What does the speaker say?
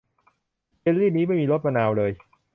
เยลลีนี้ไม่มีรสมะนาวเลย